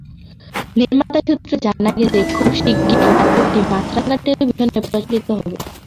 নির্মাতা সূত্রে জানা গেছে, খুব শিগগির নাটকটি মাছরাঙা টেলিভিশনে প্রচারিত হবে।